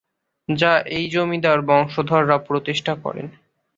যা এই জমিদার বংশধররা প্রতিষ্ঠা করেন।